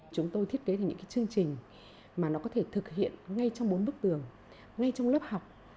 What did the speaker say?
chúng tôi thiết kế thành những chương trình mà nó có thể thực hiện ngay trong bốn bức tường ngay trong lớp học